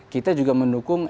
kita juga mendukung